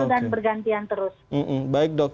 dan bergantian terus baik dok